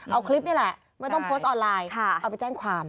เอาคลิปนี่แหละไม่ต้องโพสต์ออนไลน์เอาไปแจ้งความ